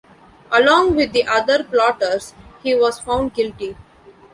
Along with the other plotters, he was found guilty.